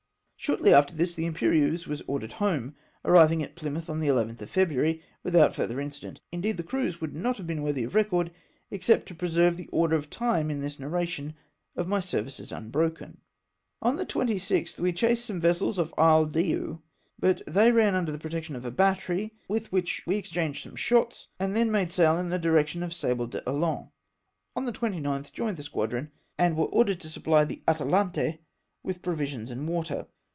Shortly after this the Irnperieuse was ordered home, arriving at Plymouth on the 11th of February, without further incident. Indeed the cruise would not be worthy of record, except to preserve the order of time in this narrative of my services unbroken. On the 26th we chased some vessels off Isle Dieu, but they ran under the protection of a battery with which we exchanged some shots, and then made sail in pa •_>14 SUPPLY THE ATALANTE. the direction of Sable d'Olonne. On the 29th joined the squadron, and were ordered to supply the Atalante with provisions and Avater.